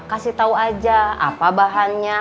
kasih tahu aja apa bahannya